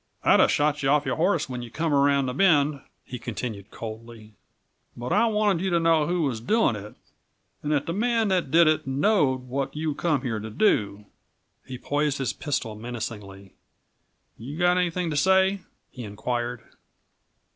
I'd have shot you off your horse when you come around the bend," he continued coldly, "but I wanted you to know who was doing it and that the man that did it knowed what you come here to do." He poised his pistol menacingly. "You got anything to say?" he inquired.